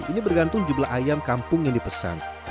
ini bergantung jumlah ayam kampung yang dipesan